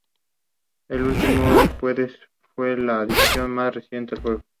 Las hojas se han usado como sustituto del lúpulo en la fabricación de cerveza.